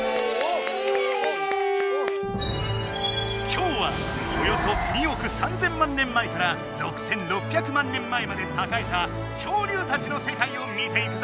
きょうはおよそ２億３０００万年前から６６００万年前までさかえた恐竜たちの世界を見ていくぞ。